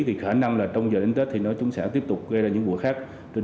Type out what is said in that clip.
thì khả năng là trong giờ đến tết thì chúng sẽ tiếp tục gây ra những vụ khác